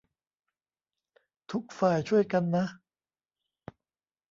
ทุกฝ่าย ช่วยกันนะ